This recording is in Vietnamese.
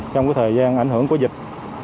trong cái thời gian ảnh hưởng của dịch